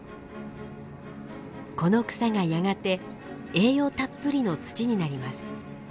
この草がやがて栄養たっぷりの土になります。